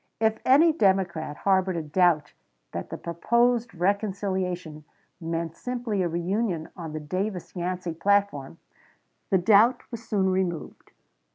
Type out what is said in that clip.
If any Democrat harbored a doubt that the proposed reconciliation meant simply a reunion on the Davis Yancey platform, the doubt was soon removed.